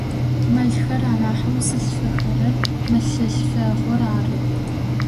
Мэлхэр анахьэу зылъфэхэрэр мэлъылъфэгъур ары.